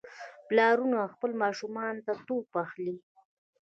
پلارونه خپلو ماشومانو ته توپ اخلي.